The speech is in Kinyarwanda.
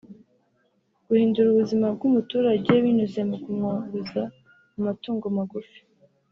guhindura ubuzima bw’umuturage binyuze mu kumworoza amatungo magufi